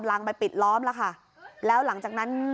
พอหลังจากเกิดเหตุแล้วเจ้าหน้าที่ต้องไปพยายามเกลี้ยกล่อม